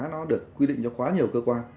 nó được quy định cho quá nhiều cơ quan